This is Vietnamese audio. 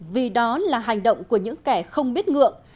vì đó là hành động của những kẻ không biết ngưỡng